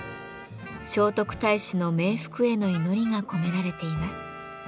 聖徳太子の冥福への祈りが込められています。